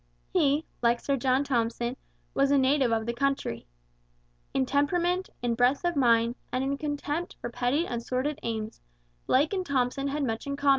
He, like Sir John Thompson, was a native of the country. In temperament, in breadth of mind, and in contempt for petty and sordid aims, Blake and Thompson had much in common.